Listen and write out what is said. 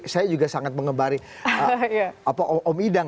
saya juga sangat mengembari om idang